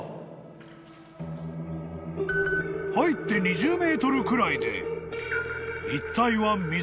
［入って２０ｍくらいで一帯は］